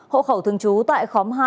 hộ khẩu thường trú tại khóm hai